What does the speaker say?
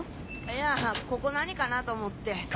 いやぁここ何かなと思って。